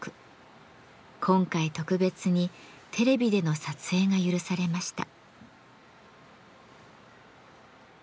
今回特別にテレビでの撮影が許されました。